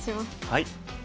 はい。